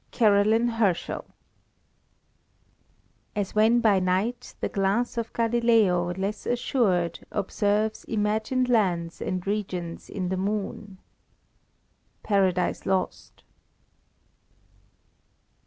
III CAROLINE HERSCHEL "As when by night the glass Of Galileo less assured observes Imagined lands and regions in the moon."—_Paradise Lost.